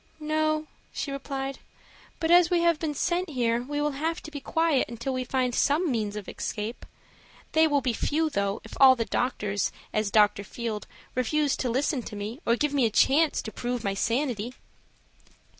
"No," she replied; "but as we have been sent here we will have to be quiet until we find some means of escape. They will be few, though, if all the doctors, as Dr. Field, refuse to listen to me or give me a chance to prove my sanity."